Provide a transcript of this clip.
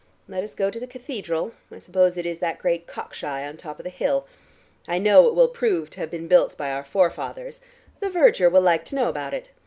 Let us go to the cathedral. I suppose it is that great cockshy on the top of the hill. I know it will prove to have been built by our forefathers. The verger will like to know about it.